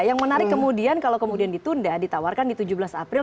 yang menarik kemudian kalau kemudian ditunda ditawarkan di tujuh belas april